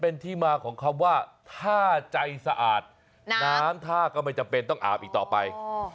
เป็นที่มาของคำว่าถ้าใจสะอาดน้ำท่าก็ไม่จำเป็นต้องอาบอีกต่อไป